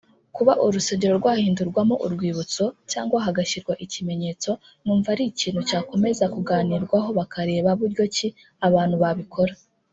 kuba urusengero rwahindurwamo urwibutso cyangwa hagashyirwa ikimenyetso numva ari ikintu cyakomeza kuganirwaho bakareba buryo ki abantu babikora